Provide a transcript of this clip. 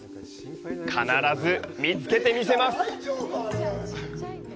必ず見つけて見せます！